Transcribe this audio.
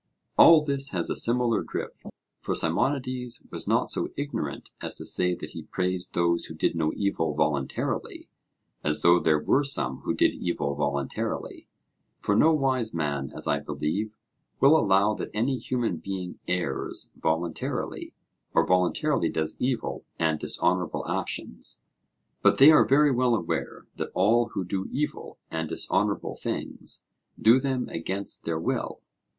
All this has a similar drift, for Simonides was not so ignorant as to say that he praised those who did no evil voluntarily, as though there were some who did evil voluntarily. For no wise man, as I believe, will allow that any human being errs voluntarily, or voluntarily does evil and dishonourable actions; but they are very well aware that all who do evil and dishonourable things do them against their will.